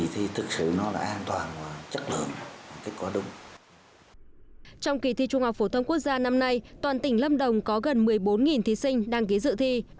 trong kỳ thi trung học phổ thông quốc gia năm nay toàn tỉnh lâm đồng có gần một mươi bốn thí sinh đăng ký dự thi